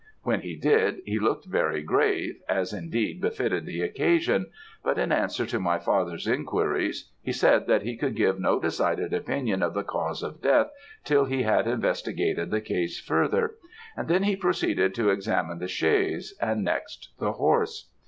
When he did, he looked very grave, as, indeed, befitted the occasion; but in answer to my father's inquiries, he said, that he could give no decided opinion of the cause of death till he had investigated the case further; and then he proceeded to examine the chaise, and next the horse.